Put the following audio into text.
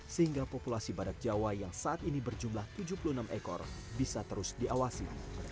sehingga populasi badak jawa yang saat ini berjumlah tujuh puluh enam ekor bisa terus diawasi